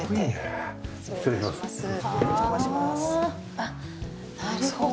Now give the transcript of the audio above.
あっなるほど。